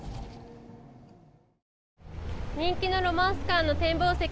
人気のロマンスカーの展望席。